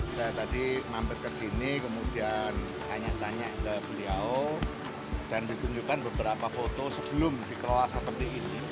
saya tadi mampet ke sini kemudian tanya tanya ke beliau dan ditunjukkan beberapa foto sebelum dikelola seperti ini